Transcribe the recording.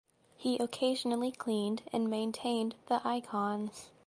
He occasionally cleaned and maintained the icons.